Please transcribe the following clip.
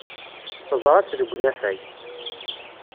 Teẓra-tt deg unafag.